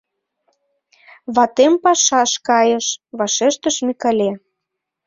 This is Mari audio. — Ватем пашаш кайыш, — вашештыш Микале.